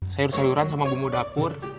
sayur sayuran sama bumbu dapur